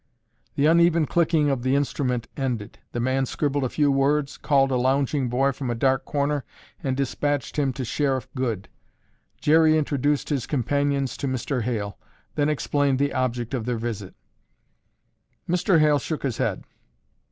The uneven clicking of the instrument ended; the man scribbled a few words, called a lounging boy from a dark corner and dispatched him to Sheriff Goode. Jerry introduced his companions to Mr. Hale, then explained the object of their visit. Mr. Hale shook his head.